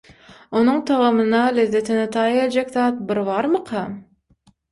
Onuň tagamyna, lezzetine taý geljek zat bir barmyka?